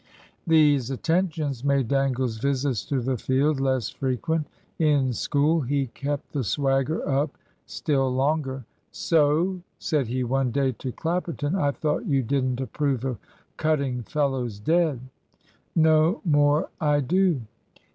These attentions made Dangle's visits to the field less frequent. In school, he kept the swagger up still longer. "So," said he one day to Clapperton, "I thought you didn't approve of cutting fellows dead?" "No more I do."